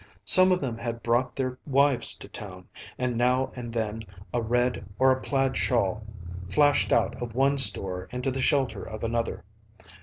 Some of them had brought their wives to town, and now and then a red or a plaid shawl flashed out of one store into the shelter of another.